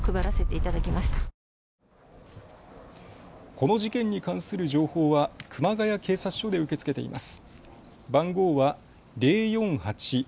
この事件に関する情報は熊谷警察署で受け付けています。